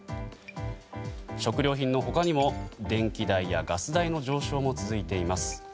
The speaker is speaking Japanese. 食料品の他にも電気代やガス代の上昇も続いています。